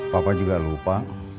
papa juga lupa